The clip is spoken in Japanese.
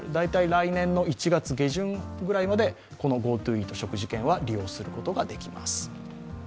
来年１月下旬ぐらいまでＧｏＴｏイート食事券は利用することができます。